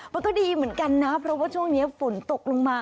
มันก็ดีเหมือนกันนะเพราะว่าช่วงนี้ฝนตกลงมา